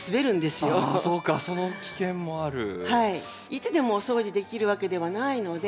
いつでもお掃除できるわけではないので。